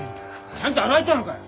ちゃんと洗えたのかよ？